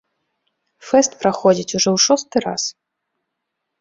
Фэст праходзіць ужо ў шосты раз.